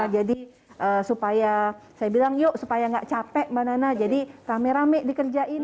jadi supaya saya bilang yuk supaya nggak capek mbak nana jadi rame rame dikerjain ya